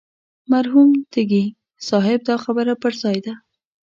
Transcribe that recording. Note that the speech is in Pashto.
مرحوم تږي صاحب دا خبره پر ځای ده.